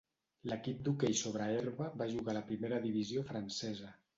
L'equip d'hoquei sobre herba va jugar a la primera divisió francesa.